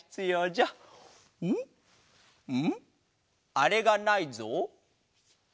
あれがないぞ。